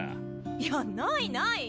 いやないない！